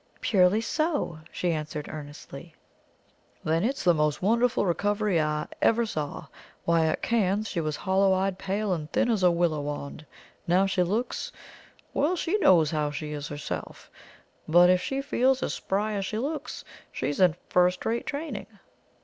"Purely so!" she answered earnestly. "Then it's the most wonderful recovery I ever saw. Why, at Cannes, she was hollow eyed, pale, and thin as a willow wand; now she looks well, she knows how she is herself but if she feels as spry as she looks, she's in first rate training!"